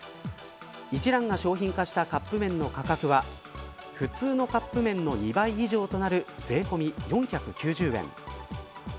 一蘭が商品化したカップ麺の価格は普通のカップ麺の２倍以上となる税込み４９０円。